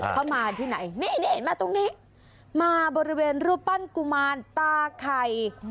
เข้ามาที่ไหนนี่เห็นไหมตรงนี้มาบริเวณรูปปั้นกุมารตาไข่